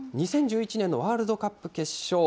２０１１年のワールドカップ決勝。